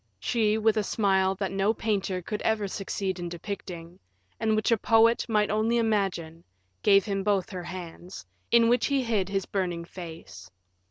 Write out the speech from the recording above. She, with a smile that no painter could ever succeed in depicting, and which a poet might only imagine, gave him both her hands, in which he hid his burning face.